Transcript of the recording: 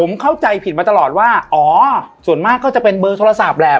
ผมเข้าใจผิดมาตลอดว่าอ๋อส่วนมากก็จะเป็นเบอร์โทรศัพท์แหละ